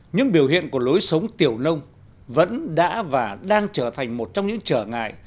những biểu hiện của lối sống tiểu nông vẫn đã và đang trở thành một trong những trở ngại